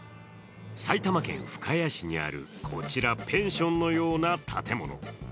埼玉県深谷市にあるこちら、ペンションのような建物。